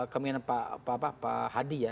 kemudian pak hadi ya